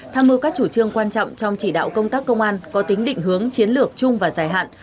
tham mưu các chủ trương quan trọng trong chỉ đạo công tác công an có tính định hướng chiến lược chung và dài hạn